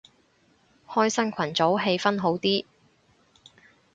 開新群組氣氛好啲